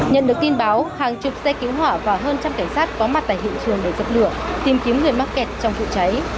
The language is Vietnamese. nhận được tin báo hàng chục xe cứu hỏa và hơn trăm cảnh sát có mặt tại hiện trường để dập lửa tìm kiếm người mắc kẹt trong vụ cháy